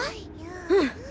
うん。